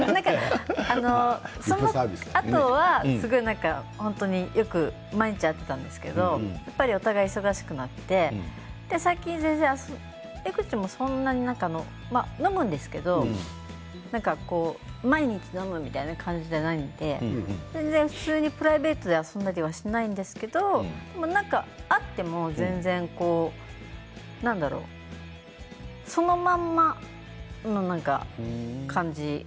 そのあとは、すごく毎日会っていたんですけれどやっぱりお互い忙しくなって最近、全然江口もそんなに飲むんですけれど毎日飲むみたいな感じじゃないので全然、普通にプライベートで遊んだりはしていないんですけれど会っても全然、何だろうそのまんまの感じ